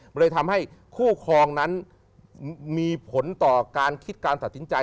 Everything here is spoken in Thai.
มันเลยทำให้คู่ครองนั้นมีผลต่อการคิดการตัดสินใจ